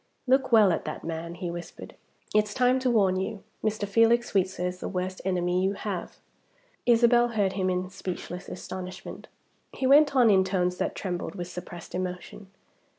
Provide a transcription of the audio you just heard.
"Look well at that man," he whispered. "It's time to warn you. Mr. Felix Sweetsir is the worst enemy you have!" Isabel heard him in speechless astonishment. He went on in tones that trembled with suppressed emotion.